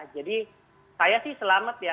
jadi saya sih selamat ya